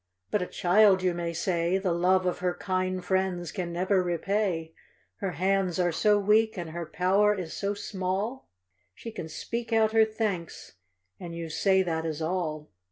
But a child, you may say, The love of her kind friends can never repay. Her hands are so weak, and her power is so small : She can speak out her thanks, and you say that is all.